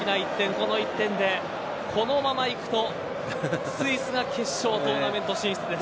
この１点でこのままいくとスイスが決勝トーナメント進出です。